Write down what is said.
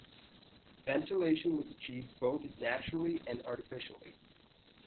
Ventilation was achieved both naturally and artificially.